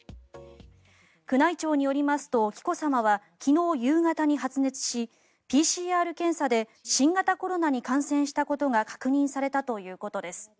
宮内庁によりますと紀子さまは昨日夕方に発熱しＰＣＲ検査で新型コロナに感染したことが確認されたということです。